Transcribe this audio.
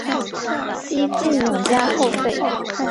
西晋永嘉后废。